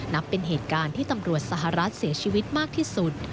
นับเป็นเหตุการณ์ที่ตำรวจสหรัฐเสียชีวิตมากที่สุด